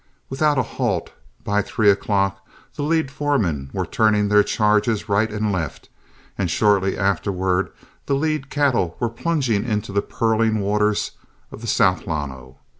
Without a halt, by three o'clock the lead foremen were turning their charges right and left, and shortly afterward the lead cattle were plunging into the purling waters of the South Llano.